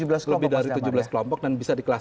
lebih dari tujuh belas kelompok